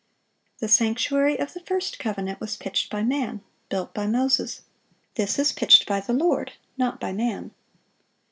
The sanctuary of the first covenant was pitched by man, built by Moses; this is pitched by the Lord, not by man.